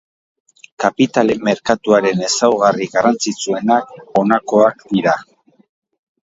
Kapitalen merkatuaren ezaugarri garrantzitsuenak honakoak dira.